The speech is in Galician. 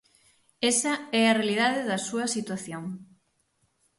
Esa é a realidade da súa situación.